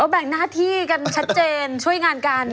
แบ่งหน้าที่กันชัดเจนช่วยงานกัน